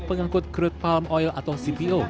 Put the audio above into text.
pengangkut crude palm oil atau cpo